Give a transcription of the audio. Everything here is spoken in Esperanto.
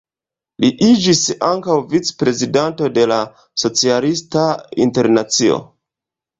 Li iĝis ankaŭ vicprezidanto de la Socialista Internacio.